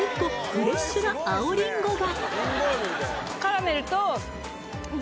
フレッシュな青リンゴが！